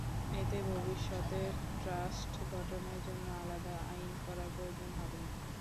এতে ভবিষ্যতে ট্রাস্ট গঠনের জন্য আলাদা আইন করার প্রয়োজন হবে না।